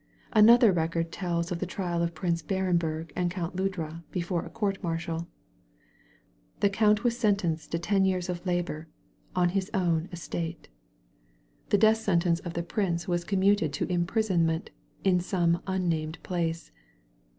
Another record tells of the trial of Prince BUren berg and Count Ludra before a court martial. The count was sentenced to ten years of labor on his own 65 THE VALLEY OF VISION estate. The death sentenoe of the prince was com muted to imprisomnent in some unnamed place.